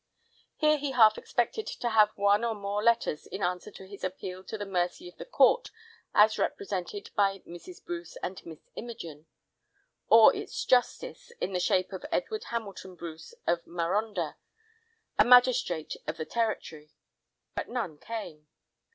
Here he half expected to have one or more letters in answer to his appeal to the mercy of the Court as represented by Mrs. Bruce and Miss Imogen, or its justice, in the shape of Edward Hamilton Bruce of Marondah, a magistrate of the Territory. But none came.